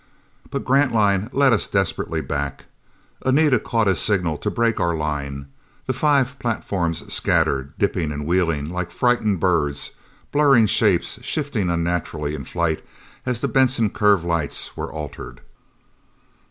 But Grantline led us desperately back. Anita caught his signal to break our line. The five platforms scattered, dipping and wheeling like frightened birds blurring shapes, shifting unnaturally in flight as the Benson curve lights were altered.